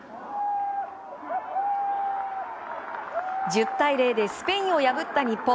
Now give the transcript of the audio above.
１０対０でスペインを破った日本。